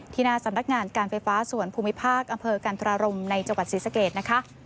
หน้าสำนักงานการไฟฟ้าส่วนภูมิภาคอำเภอกันธรารมในจังหวัดศรีสะเกดนะคะ